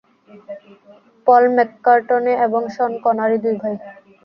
পল McCartney এবং Sean Connery দুই ভাই।